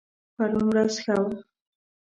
پرون ورځ ښه وه